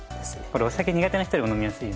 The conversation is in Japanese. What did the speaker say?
これお酒苦手な人でも飲みやすい。